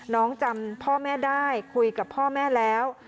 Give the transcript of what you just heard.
จำพ่อแม่ได้คุยกับพ่อแม่แล้ว